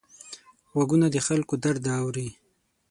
غوږونه د خلکو درد اوري